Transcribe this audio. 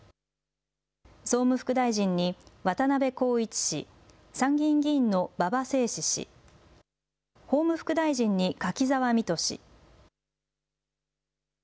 総務副大臣に渡辺孝一氏、参議院議員の馬場成志氏、法務副大臣に柿沢未途氏。